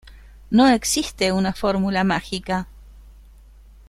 No existe una fórmula mágica.